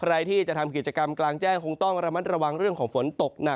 ใครที่จะทำกิจกรรมกลางแจ้งคงต้องระมัดระวังเรื่องของฝนตกหนัก